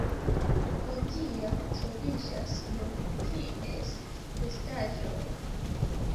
Hodiaŭ troviĝas nur ties restaĵoj.